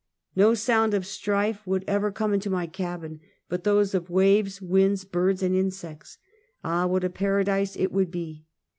ISTo sound of strife should ever come into my cabin but those of waves, winds, birds and insects. Ah, what a paradise it would be!